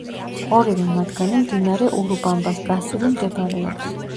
ორივე მათგანი მდინარე ურუბამბას გასწვრივ მდებარეობს.